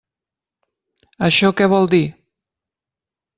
Això què vol dir?